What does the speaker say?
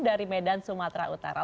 dari medan sumatera utara